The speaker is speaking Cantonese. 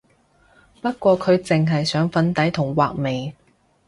不過佢淨係上粉底同畫眉